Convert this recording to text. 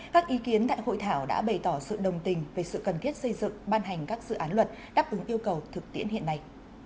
các ý kiến tại hội thảo đã bày tỏ sự đồng tình về sự cần thiết xây dựng ban hành các dự án luật đáp ứng yêu cầu thực tiễn hiện nay